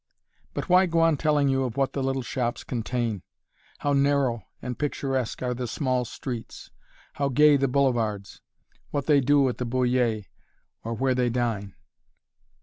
But why go on telling you of what the little shops contain how narrow and picturesque are the small streets how gay the boulevards what they do at the "Bullier" or where they dine?